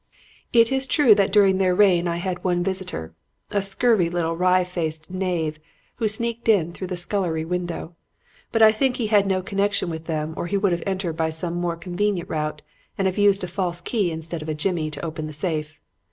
"It is true that during their reign I had one visitor, a scurvy little wry faced knave who sneaked in through the scullery window; but I think he had no connection with them or he would have entered by some more convenient route and have used a false key instead of a jimmy to open the safe.